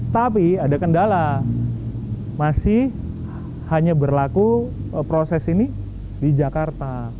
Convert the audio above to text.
tapi ada kendala masih hanya berlaku proses ini di jakarta